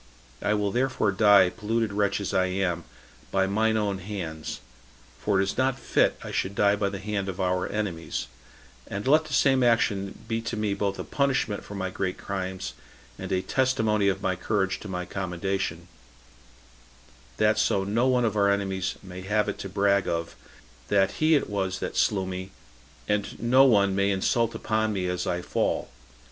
I will therefore die, polluted wretch as I am, by mine own hands; for it is not fit I should die by the hand of our enemies; and let the same action be to me both a punishment for my great crimes, and a testimony of my courage to my commendation, that so no one of our enemies may have it to brag of, that he it was that slew me, and no one may insult upon me as I fall."